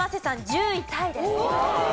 １０位タイです。